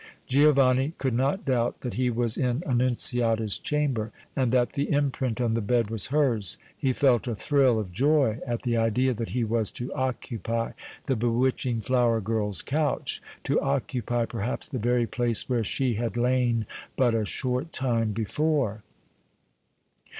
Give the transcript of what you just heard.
Giovanni could not doubt that he was in Annunziata's chamber, and that the imprint on the bed was hers. He felt a thrill of joy at the idea that he was to occupy the bewitching flower girl's couch, to occupy, perhaps, the very place where she had lain but a short time before.